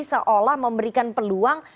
seolah memberikan peluang